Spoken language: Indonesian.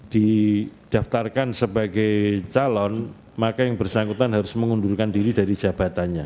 didaftarkan sebagai calon maka yang bersangkutan harus mengundurkan diri dari jabatannya